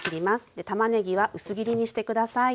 でたまねぎは薄切りにして下さい。